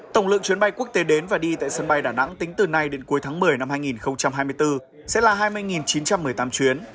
tổng lượng chuyến bay quốc tế đến và đi tại sân bay đà nẵng tính từ nay đến cuối tháng một mươi năm hai nghìn hai mươi bốn sẽ là hai mươi chín trăm một mươi tám chuyến